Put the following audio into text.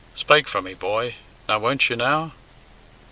Spake for me, boy, now won't you, now?"